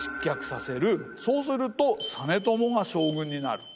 そうすると実朝が将軍になる。